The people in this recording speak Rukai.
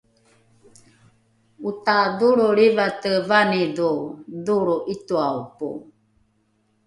otadholro lrivate vanidho dholro ’itoaopo